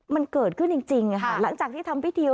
มันเกิดขึ้นจริงค่ะหลังจากที่ทำพิธี